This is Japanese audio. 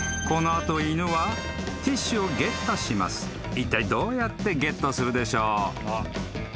［いったいどうやってゲットするでしょう？］